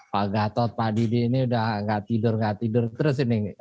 pak gatot pak didi ini udah nggak tidur nggak tidur terus ini